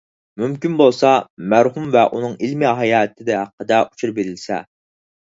مۇمكىن بولسا مەرھۇم ۋە ئۇنىڭ ئىلمىي ھاياتى ھەققىدە ئۇچۇر بېرىلسە.